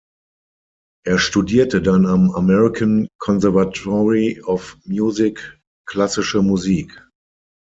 Er studierte dann am American Conservatory of Music klassische Musik.